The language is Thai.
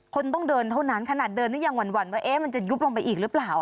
คนต้องเดินเท่านั้นขนาดเดินนี่ยังหวั่นว่ามันจะยุบลงไปอีกหรือเปล่า